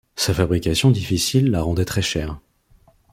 Sa fabrication difficile la rendait très chère.